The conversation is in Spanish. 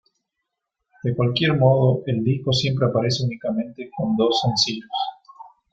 De cualquier modo el disco siempre aparece únicamente con dos sencillos.